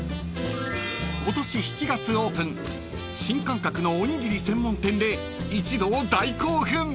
［今年７月オープン新感覚のおにぎり専門店で一同大興奮！］